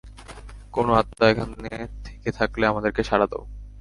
কোনো আত্মা এখানে থেকে থাকলে, আমাদেরকে সাড়া দাও।